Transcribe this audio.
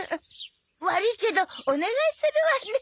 悪いけどお願いするわね。